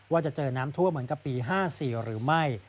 ว่าจะเจอน้ำท่วมเหมือนกับปี๕๔หรือไม่